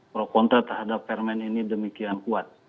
pro kontra terhadap permen ini demikian kuat